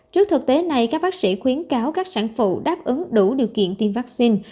trước thực tế này các bác sĩ khuyến cáo các sản phụ đáp ứng đủ điều kiện tiêm vaccine